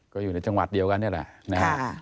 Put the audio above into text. ก็อยู่ในจังหวัดเดียวกันนี่แหละนะฮะ